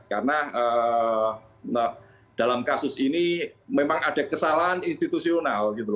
karena dalam kasus ini memang ada kesalahan institusional